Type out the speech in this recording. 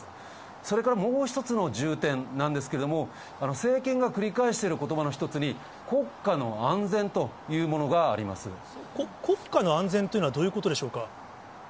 それからもう一つの重点なんですけれども、政権が繰り返していることばの一つに、国家の安全というものがあ国家の安全というのは、どういうことでしょうか？